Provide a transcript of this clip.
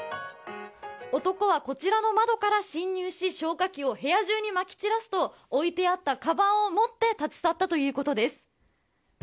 男は、こちらの窓から侵入し消火器を部屋中にまき散らすと置いてあったカバンを持って立ち去ったということです。